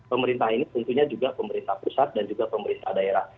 pemerintah ini tentunya juga pemerintah pusat dan juga pemerintah daerah